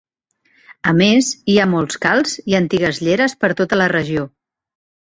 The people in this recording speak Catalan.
A més, hi ha molts Khals i antigues lleres per tota la regió.